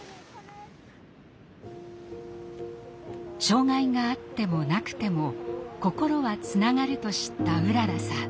障害があってもなくても心はつながると知ったうららさん。